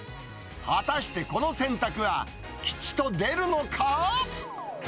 果たしてこの選択は吉と出るのか？